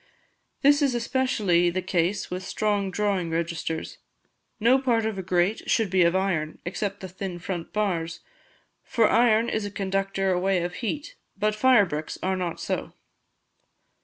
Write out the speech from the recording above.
This is especially the case with strong drawing registers. No part of a grate should be of iron, except the thin front bars; for iron is a conductor away of heat, but fire bricks are not so."